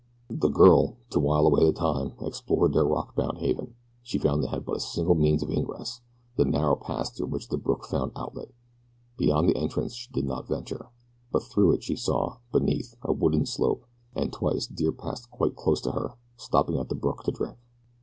The girl, to while away the time, explored their rock bound haven. She found that it had but a single means of ingress, the narrow pass through which the brook found outlet. Beyond the entrance she did not venture, but through it she saw, beneath, a wooded slope, and twice deer passed quite close to her, stopping at the brook to drink.